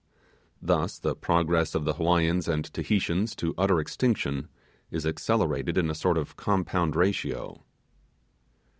Thus the progress of the Hawaiians and Tahitians to utter extinction is accelerated in a sort of compound ratio.